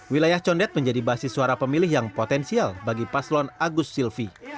wilayah condet menjadi basis suara pemilih yang potensial bagi paslon agus silvi